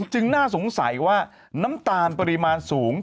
น่าสงสัยว่าน้ำตาลปริมาณสูง